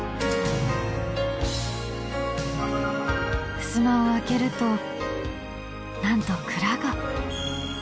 ふすまを開けるとなんと蔵が。